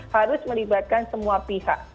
harus melibatkan semua pihak